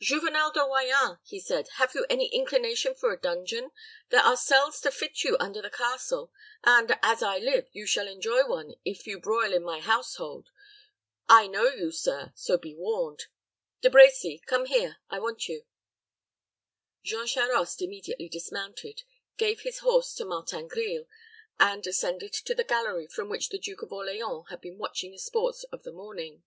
"Juvenel de Royans," he said, "have you any inclination for a dungeon? There are cells to fit you under the castle; and, as I live, you shall enjoy one if you broil in my household. I know you, sir; so be warned. De Brecy, come here; I want you." Jean Charost immediately dismounted, gave his horse to Martin Grille, and ascended to the gallery from which the Duke of Orleans had been watching the sports of the morning.